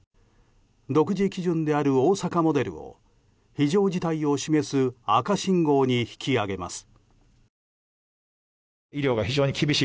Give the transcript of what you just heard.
独自基準である大阪モデルを非常事態を示す赤信号に引き上げます。